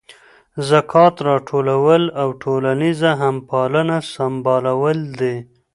ذکات راټولول او ټولنیزه همپالنه سمبالول دي.